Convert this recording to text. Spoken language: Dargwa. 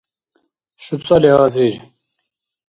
шуцӀали азир